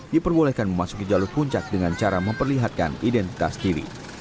diperbolehkan memasuki jalur puncak dengan cara memperlihatkan identitas diri